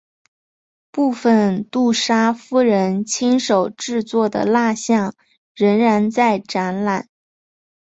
部分杜莎夫人亲手制作的蜡象仍然在展览。